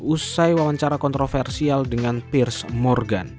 usai wawancara kontroversial dengan tirs morgan